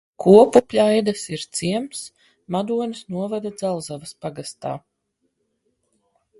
Kopupļaides ir ciems Madonas novada Dzelzavas pagastā.